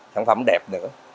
sản phẩm đẹp nữa